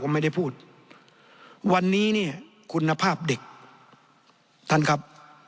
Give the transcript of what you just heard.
ผมไม่ได้พูดวันนี้เนี่ยคุณภาพเด็กท่านครับ